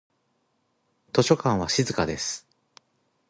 図書館は静かです。